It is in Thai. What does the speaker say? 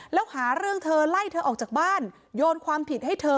แล้วหาเรื่องเธอไล่เธอออกจากบ้านโยนความผิดให้เธอ